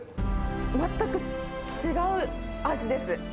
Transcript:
全く違う味です。